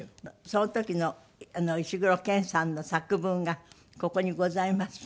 その時の石黒賢さんの作文がここにございます。